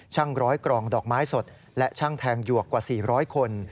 ร้อยกรองดอกไม้สดและช่างแทงหยวกกว่า๔๐๐คน